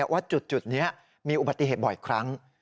ว่าจุดนี้มีอุบัติเหตุบ่อยครั้ง